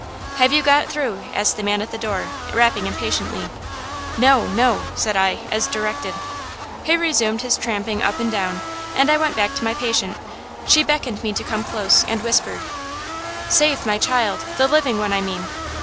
"'Have you got through?' asked the man at the door, rapping impatiently. "'No, no,' said I, as directed. "He resumed his tramping up and down, and I went back to my patient. She beckoned me to come close, and whispered: "'Save my child! The living one, I mean!